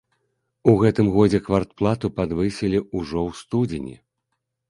У гэтым годзе квартплату падвысілі ўжо ў студзені.